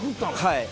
はい。